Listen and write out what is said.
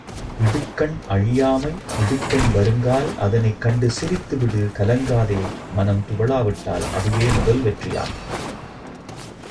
இடுக்கண் அழியாமை இடுக்கண் வருங்கால் அதனைக் கண்டு சிரித்துவிடு கலங்காதே மனம் துவளாவிட்டால் அதுவே முதல் வெற்றியாகும்.